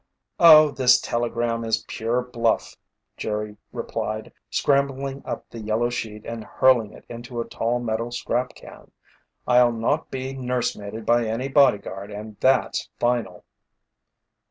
"Oh, this telegram is pure bluff," Jerry replied, scrambling up the yellow sheet and hurling it into a tall metal scrap can. "I'll not be nursemaided by any bodyguard, and that's final!"